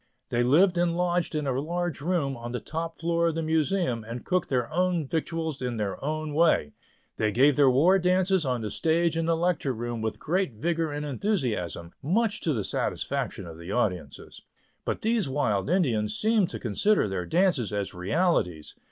They lived and lodged in a large room on the top floor of the Museum, and cooked their own victuals in their own way. They gave their war dances on the stage in the Lecture Room with great vigor and enthusiasm, much to the satisfaction of the audiences. But these wild Indians seemed to consider their dances as realities.